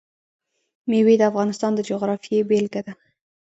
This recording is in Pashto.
مېوې د افغانستان د جغرافیې بېلګه ده.